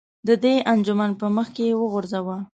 د دې انجمن په مخ کې یې وغورځوه.